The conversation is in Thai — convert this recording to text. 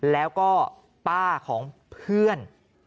แล้วก็ป้าของเพื่อน